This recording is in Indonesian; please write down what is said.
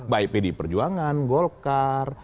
baik pd perjuangan golkar